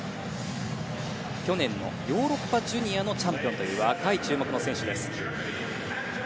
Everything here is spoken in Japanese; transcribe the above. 去年のヨーロッパジュニアのチャンピオンという若い注目の選手です。